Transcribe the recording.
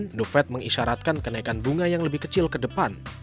the fed mengisyaratkan kenaikan bunga yang lebih kecil ke depan